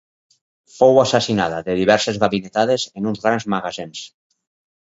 Fou assassinada de diverses ganivetades en uns grans magatzems.